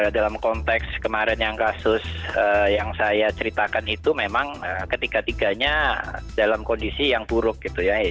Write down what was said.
dalam konteks kemarin yang kasus yang saya ceritakan itu memang ketiga tiganya dalam kondisi yang buruk gitu ya